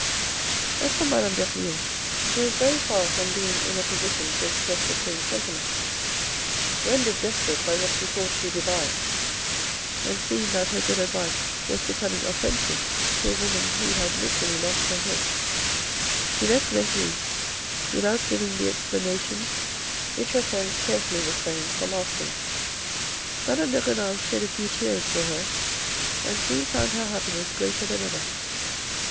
As for Madame Derville, she was very far from being in a position to express the same sentiments. Rendered desperate by what she thought she divined, and seeing that her good advice was becoming offensive to a woman who had literally lost her head, she left Vergy without giving the explanation, which her friend carefully refrained from asking. Madame de Renal shed a few tears for her, and soon found her happiness greater than ever.